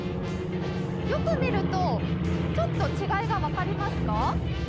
よく見ると、ちょっと違いが分かりますか？